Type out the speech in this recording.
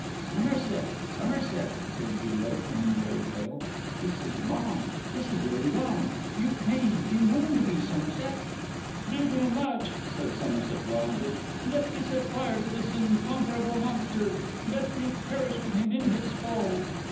'Somerset, Somerset!' said Zero, turning very pale, 'this is wrong; this is very wrong. You pain, you wound me, Somerset.' 'Give me a match!' cried Somerset wildly. 'Let me set fire to this incomparable monster! Let me perish with him in his fall!